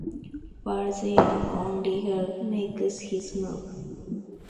While they are gone, Regal makes his move.